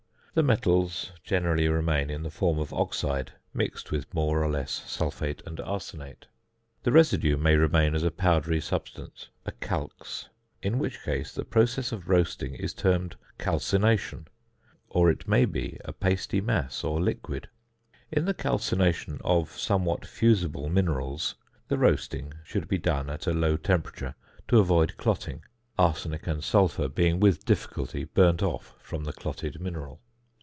The metals generally remain in the form of oxide, mixed with more or less sulphate and arsenate. The residue may remain as a powdery substance (a calx), in which case the process of roasting is termed calcination; or it may be a pasty mass or liquid. In the calcination of somewhat fusible minerals, the roasting should be done at a low temperature to avoid clotting; arsenic and sulphur being with difficulty burnt off from the clotted mineral.